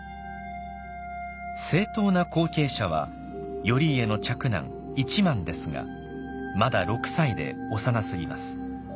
正当な後継者は頼家の嫡男一幡ですがまだ６歳で幼すぎます。